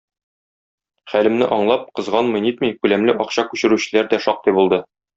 Хәлемне аңлап, кызганмый-нитми, күләмле акча күчерүчеләр дә шактый булды.